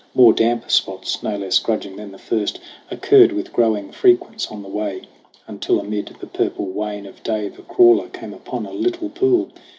More damp spots, no less grudging than the first, Occurred with growing frequence on the way, Until amid the purple wane of day The crawler came upon a little pool